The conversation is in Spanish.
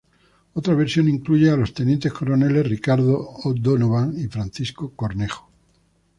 Otra versión incluye a los tenientes coroneles Ricardo O'Donovan y Francisco Cornejo.